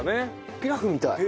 ピラフみたい。